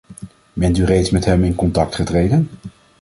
Bent u reeds met hem in contact getreden?